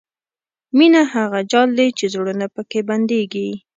مینه هغه جال دی چې زړونه پکې بندېږي.